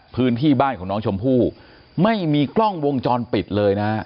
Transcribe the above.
พื้นที่บ้านของน้องชมพู่ไม่มีกล้องวงจรปิดเลยนะฮะ